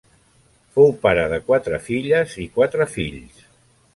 Fou pare de quatre filles i quatre fills.